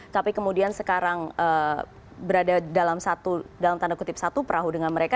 tapi kemudian sekarang berada dalam satu dalam tanda kutip satu perahu dengan mereka